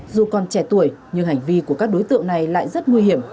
dù còn trẻ tuổi nhưng hành vi của các đối tượng này lại rất nguy hiểm